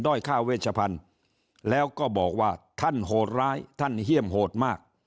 ค่าเวชพันธุ์แล้วก็บอกว่าท่านโหดร้ายท่านเฮี่ยมโหดมาก